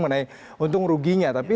mengenai untung ruginya tapi